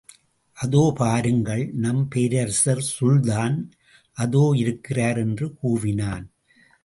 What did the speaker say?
அதோ பாருங்கள் நம் பேரரசர் சுல்தான் அதோயிருக்கிறார்! என்று கூவினான்.